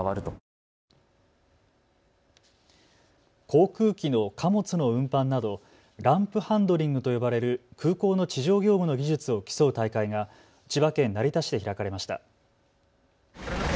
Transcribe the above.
航空機の貨物の運搬などランプハンドリングと呼ばれる空港の地上業務の技術を競う大会が千葉県成田市で開かれました。